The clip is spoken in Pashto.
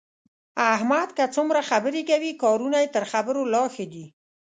احمد که څومره خبرې کوي، کارونه یې تر خبرو لا ښه دي.